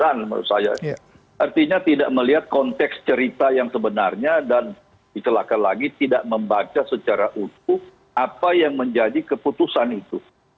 dan menurut saya artinya tidak melihat konteks cerita yang sebenarnya dan dikelakkan lagi tidak membaca secara utuh apa yang menjadi keputusan itu